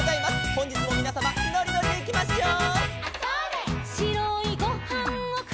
「ほんじつもみなさまのりのりでいきましょう」